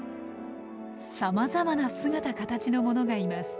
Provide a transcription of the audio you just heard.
さまざまな姿形のものがいます。